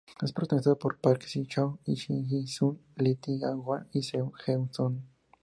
Es protagonizada por Park Si-hoo, Shin Hye-sun, Lee Tae-hwan y Seo Eun-soo.